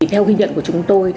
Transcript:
theo khuyên nhận của chúng tôi